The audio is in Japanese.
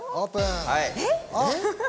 えっ？